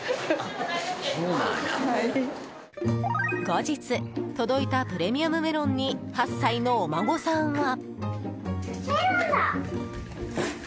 後日、届いたプレミアムメロンに８歳のお孫さんは。